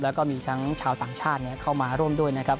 แล้วก็มีทั้งชาวต่างชาติเข้ามาร่วมด้วยนะครับ